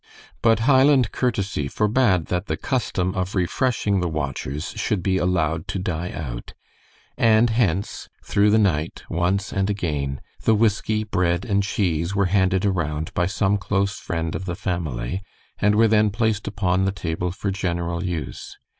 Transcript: But Highland courtesy forbade that the custom of refreshing the watchers should be allowed to die out, and hence, through the night, once and again, the whisky, bread, and cheese were handed around by some close friend of the family, and were then placed upon the table for general use.